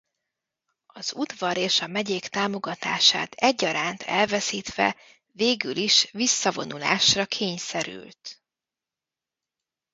Az udvar és a megyék támogatását egyaránt elveszítve végül is visszavonulásra kényszerült.